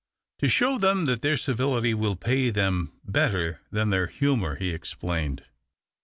"To show them that their civility will pay ^hem better than their humour," he explained.